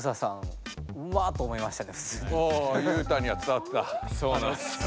お裕太には伝わってた。